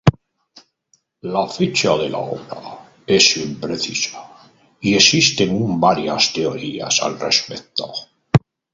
La fecha de la obra es imprecisa y existen un varías teorías al respecto.